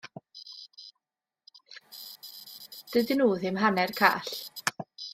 Dydyn nhw ddim hanner call!